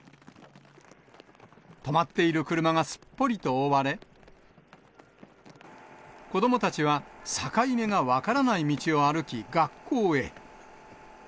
止まっている車がすっぽりと覆われ、子どもたちは境目が分からない道を歩き、学校へ。